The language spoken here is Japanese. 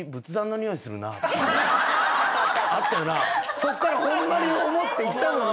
そっからホンマに思って行ったもんな。